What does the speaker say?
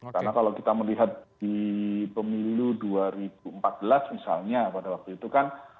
karena kalau kita melihat di pemilu dua ribu empat belas misalnya pada waktu itu kan